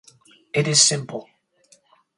It is simple.